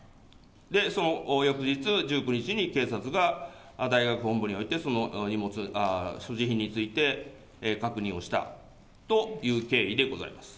その翌日１９日に、警察が大学本部において、その所持品について確認したという経緯でございます。